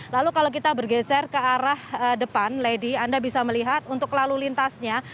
lalu kalau kita bergeser ke arah depan lady anda bisa melihat untuk lalu lintasnya